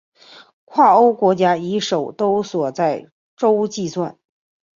跨洲国家以首都所在洲计算。